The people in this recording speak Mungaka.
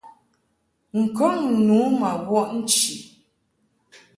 N-kɔŋ nu ma wɔʼ nchi.